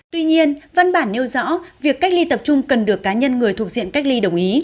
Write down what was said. tuy nhiên văn bản nêu rõ việc cách ly tập trung cần được cá nhân người thuộc diện cách ly đồng ý